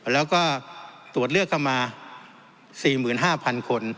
แล้วก็ตรวจเลือกเข้ามา๔๕๐๐คน